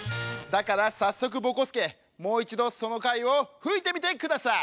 だからさっそくぼこすけもういちどその貝をふいてみてください！